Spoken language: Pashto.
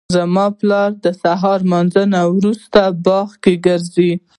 زما پلار د سهار له لمانځه وروسته تل په باغ کې ګرځي